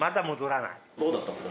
どうだったんですか？